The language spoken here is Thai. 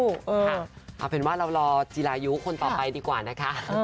เอาเป็นว่าเรารอจีรายุคนต่อไปดีกว่านะคะ